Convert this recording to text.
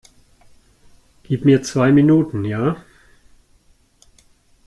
Gib mir zwei Minuten, ja?